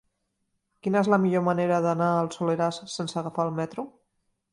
Quina és la millor manera d'anar al Soleràs sense agafar el metro?